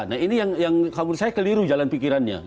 nah ini yang menurut saya keliru jalan pikirannya